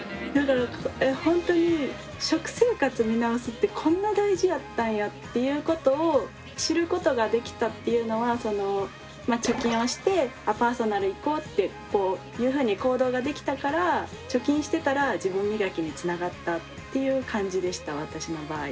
ほんとに食生活見直すってこんな大事やったんやっていうことを知ることができたっていうのは貯金をしてあっパーソナル行こうっていうふうに行動ができたから貯金してたら自分磨きにつながったっていう感じでした私の場合。